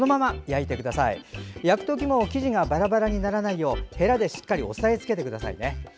焼く時も生地がバラバラにならないようへらでしっかり押さえつけてくださいね。